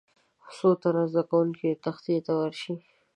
څو تنه زده کوونکي دې تختې ته ورشي.